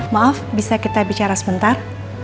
maaf bisa kita bicara sebentar